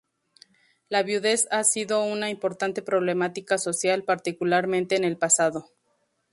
La viudez ha sido una importante problemática social, particularmente en el pasado.